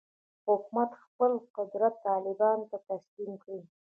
حکومت خپل قدرت طالبانو ته تسلیم کړي.